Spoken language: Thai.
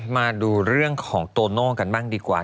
มาดูเรื่องของโตโน่กันบ้างดีกว่า